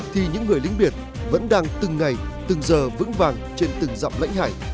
thì những người lính biển vẫn đang từng ngày từng giờ vững vàng trên từng dặm lãnh hải